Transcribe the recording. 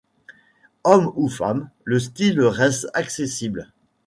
Homme ou femme, le style reste accessible.